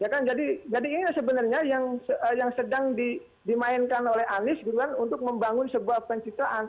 ya kan jadi ini sebenarnya yang sedang dimainkan oleh anies gitu kan untuk membangun sebuah penciptaan